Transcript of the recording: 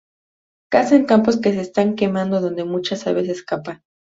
Caza en campos que se están quemando, donde muchas aves escapan.